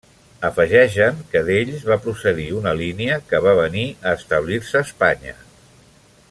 Afegeixen que d'ells va procedir una línia que va venir a establir-se a Espanya.